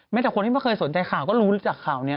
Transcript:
จากคนที่ไม่เคยสนใจข่าวก็รู้จากข่าวนี้